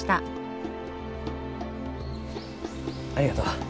ありがとう。